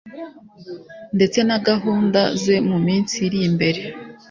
ndetse na gahunda ze mu minsi iri imbere